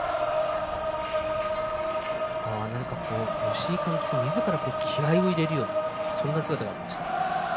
吉井監督、みずから気合いを入れるようなそんな姿がありました。